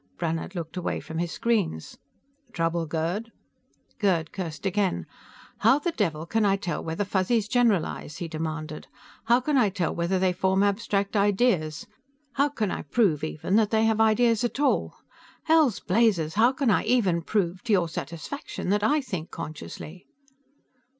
Brannhard looked away from his screens. "Trouble, Gerd?" Gerd cursed again. "How the devil can I tell whether Fuzzies generalize?" he demanded. "How can I tell whether they form abstract ideas? How can I prove, even, that they have ideas at all? Hell's blazes, how can I even prove, to your satisfaction, that I think consciously?"